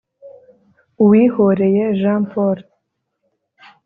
Uwihoreye Jean Paul